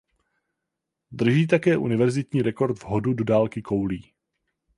Drží také univerzitní rekord v hodu do dálky koulí.